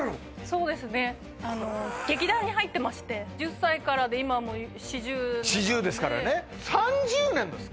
そうですね劇団に入ってまして１０歳からで今も四十四十ですからね３０年です